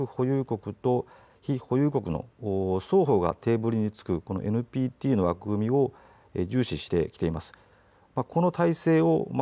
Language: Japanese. この核軍縮を進めるに当たって日本は、核保有国と非保有国の双方がテーブルにつくこのＮＰＴの枠組みを重視してきています。